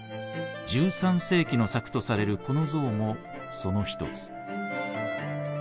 １３世紀の作とされるこの像もその一つ。